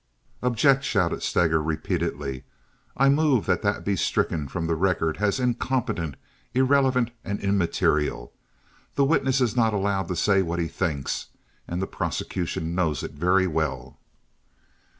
"Object!" shouted Steger, repeatedly. "I move that that be stricken from the record as incompetent, irrelevant, and immaterial. The witness is not allowed to say what he thinks, and the prosecution knows it very well."